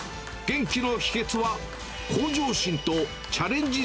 元気の秘けつは、向上心とチャレンジ